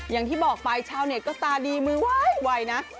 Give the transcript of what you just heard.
อย่างที่บอกไปชาวเน็ตก็ตาดีมือไวนะ